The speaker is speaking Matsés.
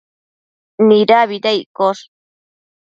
Nidabida iccosh?